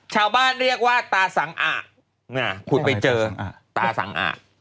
ชาวบ้านเรียกว่าตาสังอักเนี่ยขุดไปเจอตาสังอัก